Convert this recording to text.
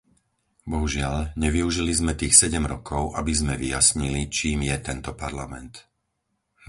Bohužiaľ, nevyužili sme tých sedem rokov, aby sme vyjasnili, čím je tento Parlament.